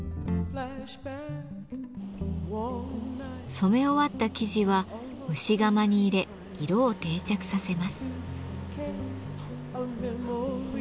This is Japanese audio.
染め終わった生地は蒸し釜に入れ色を定着させます。